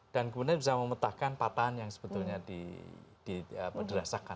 dan kemudian bisa memetakkan patahan yang sebetulnya di derasakan